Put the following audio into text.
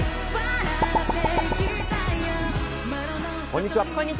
こんにちは。